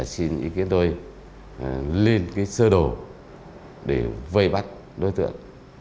xin ý kiến tôi lên cái sơ đồ để vây bắt đối tượng